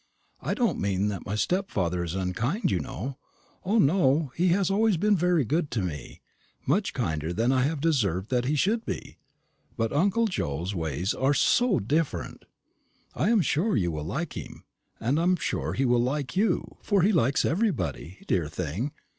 I don't mean that my stepfather is unkind, you know. O, no, he has always been very good to me much kinder than I have deserved that he should be. But uncle Joe's ways are so different. I am sure you will like him; and I am sure he will like you, for he likes everybody, dear thing.